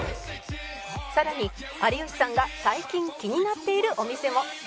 さらに有吉さんが最近気になっているお店も